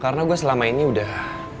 karena gue selama ini udah